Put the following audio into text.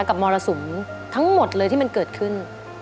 มรสุมทั้งหมดเลยที่มันเกิดขึ้น